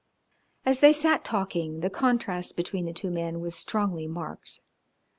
As they sat talking the contrast between the two men was strongly marked.